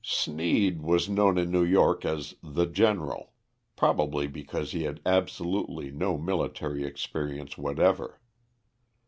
Sneed was known in New York as the General, probably because he had absolutely no military experience whatever.